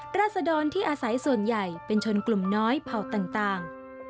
ราศดรที่อาศัยส่วนใหญ่เป็นชนกลุ่มน้อยเผ่าต่าง